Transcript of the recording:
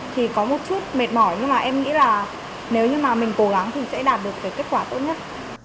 thì có một chút mệt mỏi nhưng mà em nghĩ là nếu như mà mình cố gắng thì sẽ đạt được cái kết quả tốt nhất